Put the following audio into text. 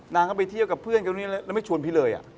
นางก็ไปเที่ยวกับเพื่อนเขานี่แล้วไม่ชวนพี่เลย